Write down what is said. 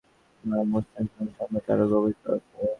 এভাবে তারাই কেবল আত্মঘাতী হবে না, মুসলিম সমাজের সংকট আরও গভীরতর হবে।